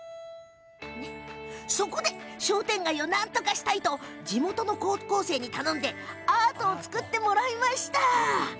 そこで商店街をなんとかしたいと地元の高校生に頼んでアートを作ってもらいました。